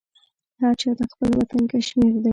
هر چا ته خپل وطن کشمیر دی.